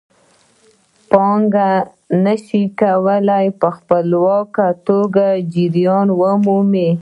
پانګه نشي کولای په خپلواکه توګه جریان ومومي